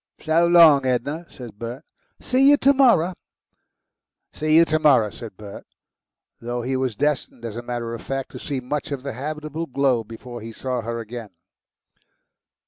"So long, Edna," said Bert. "See you to morrer." "See you to morrer," said Bert, though he was destined, as a matter of fact, to see much of the habitable globe before he saw her again.